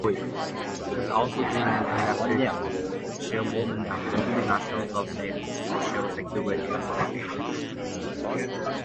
She has also been an elected Chairwoman at the International Social Security Association.